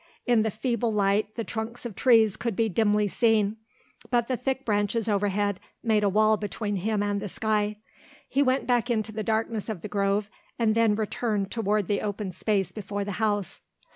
In the feeble light the trunks of trees could be dimly seen, but the thick branches overhead made a wall between him and the sky. He went back into the darkness of the grove and then returned toward the open space before the house.